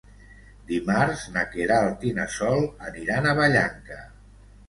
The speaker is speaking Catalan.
Dimarts na Queralt i na Sol aniran a Vallanca.